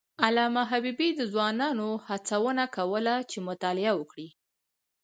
علامه حبیبي د ځوانانو هڅونه کوله چې مطالعه وکړي.